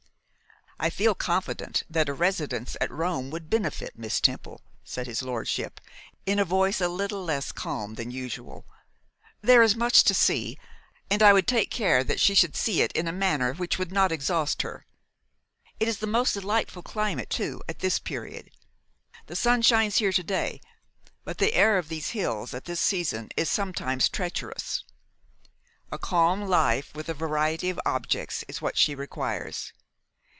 'I feel confident that a residence at Rome would benefit Miss Temple,' said his lordship, in a voice a little less calm than usual. 'There is much to see, and I would take care that she should see it in a manner which would not exhaust her. It is the most delightful climate, too, at this period. The sun shines here to day, but the air of these hills at this season is sometimes treacherous. A calm life, with a variety of objects, is what she requires.